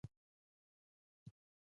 رومیان د جوس لپاره هم کارېږي